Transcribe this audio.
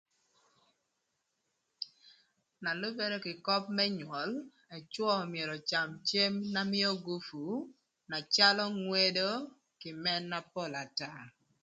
Na lübërë kï köp më nywöl, ëcwö myero öcam cem na mïö jö gupu na calö ngwedo kï mëna pol ata.